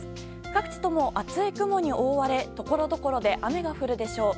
各地とも厚い雲に覆われところどころで雨が降るでしょう。